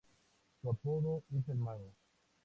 Su apodo es el mago.